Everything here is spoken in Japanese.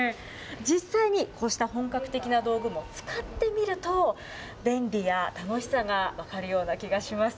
実際にこうした本格的な道具も使ってみると、便利や楽しさが分かるような気がします。